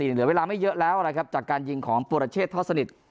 เหลือเวลาไม่เยอะแล้วนะครับจากการยิงของปุรเชษทอดสนิท